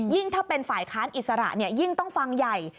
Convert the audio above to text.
ถ้าเป็นฝ่ายค้านอิสระยิ่งต้องฟังใหญ่